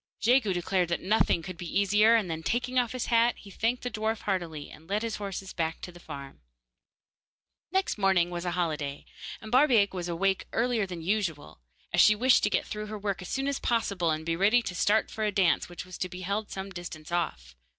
Jegu declared that nothing could be easier, and then taking off his hat, he thanked the dwarf heartily, and led his horses back to the farm. Next morning was a holiday, and Barbaik was awake earlier than usual, as she wished to get through her work as soon as possible, and be ready to start for a dance which was to be held some distance off.